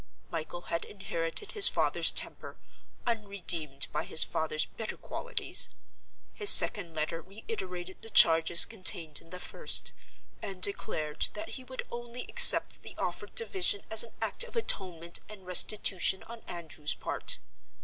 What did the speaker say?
Michael had inherited his father's temper, unredeemed by his father's better qualities: his second letter reiterated the charges contained in the first, and declared that he would only accept the offered division as an act of atonement and restitution on Andrew's part.